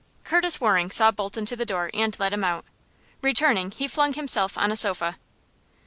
Curtis Waring saw Bolton to the door, and let him out. Returning, he flung himself on a sofa.